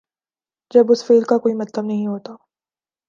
جب اس فعل کا کوئی مطلب نہیں ہوتا۔